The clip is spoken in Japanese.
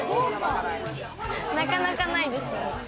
なかなか、ないです。